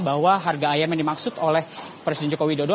bahwa harga ayam yang dimaksud oleh presiden joko widodo